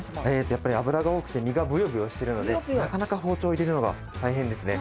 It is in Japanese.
やっぱり脂が多くて身がブヨブヨしてるのでなかなか包丁入れるのが大変ですね。